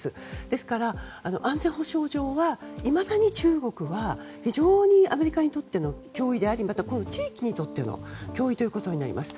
ですから安全保障上はいまだに中国は非常にアメリカにとっての脅威であり地域にとっての脅威となります。